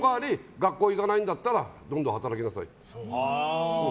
学校行かないんだったらどんどん働きなさいと。